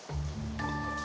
ini kemana ini